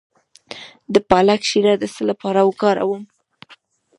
د پالک شیره د څه لپاره وکاروم؟